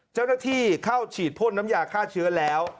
เจ้าหน้าที่เข้าฉีดพ่นน้ำยาฆ่าเชื้อแล้ว